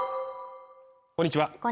こんにちは。